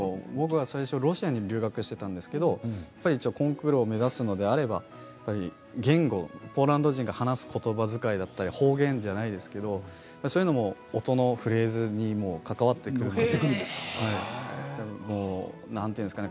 最初ロシアに留学していたんですけどコンクールを目指すのであれば言語、ポーランド人が話すことば使い方言じゃないですけどその音のフレーズに関わってくるんですね。